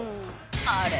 あれ？